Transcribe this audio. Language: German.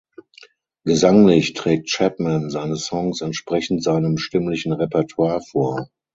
Gesanglich trägt Chapman seine Songs entsprechend seinem stimmlichen Repertoire vor.